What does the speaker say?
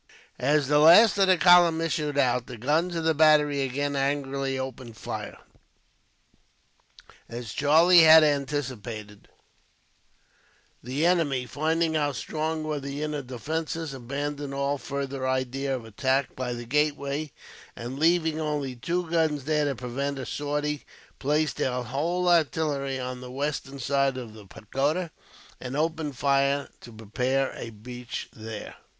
As the last of the column issued out, the guns of the battery again angrily opened fire. As Charlie had anticipated, the enemy, finding how strong were the inner defences, abandoned all further idea of attack by the gateway; and, leaving only two guns there to prevent a sortie, placed their whole artillery on the western side of the pagoda, and opened fire to prepare a breach there.